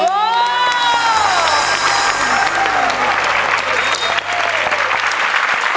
นาเวที